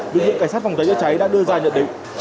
được những cảnh sát phòng cháy cháy đã đưa ra nhận định